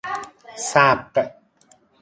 صبغ